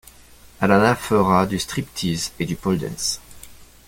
Alana fera du striptease et du Pole dance.